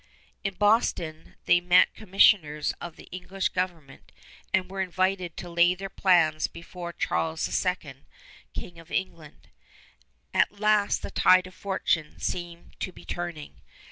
In Boston they met commissioners of the English government and were invited to lay their plans before Charles II, King of England. At last the tide of fortune seemed to be turning.